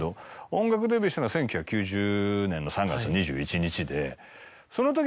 音楽デビューしたのは１９９０年の３月２１日で。